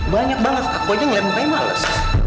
banyak banget aku aja ngeliat minta yang males